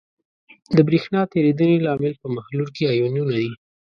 د برېښنا تیریدنې لامل په محلول کې آیونونه دي.